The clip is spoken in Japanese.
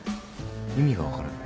意味が分からない。